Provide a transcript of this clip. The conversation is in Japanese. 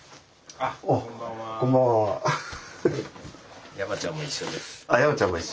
あ山ちゃんも一緒？